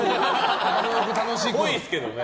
っぽいですけどね。